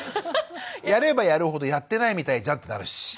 やればやるほどやってないみたいじゃんってなるし。